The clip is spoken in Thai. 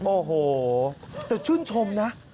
โอ้โหแต่ชื่นชมนะ